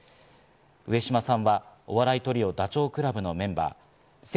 上島さんはお笑いトリオ、ダチョウ倶楽部のメンバー。